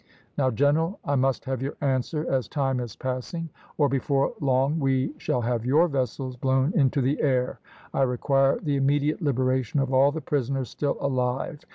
Now, general, I must have your answer, as time is passing, or, before long, we shall have your vessels blown into the air. I require the immediate liberation of all the prisoners still alive.